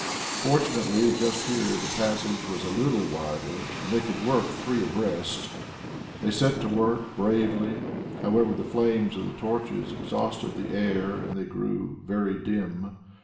Fortunately, just here the passage was a little wider and they could work three abreast. They set to work bravely. However, the flames of the torches exhausted the air and they grew very dim.